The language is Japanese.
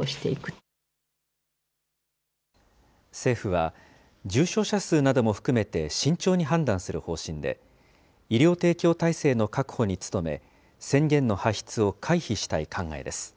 政府は、重症者数なども含めて慎重に判断する方針で、医療提供体制の確保に努め、宣言の発出を回避したい考えです。